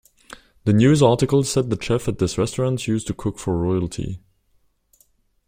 The news article said the chef at this restaurant used to cook for royalty.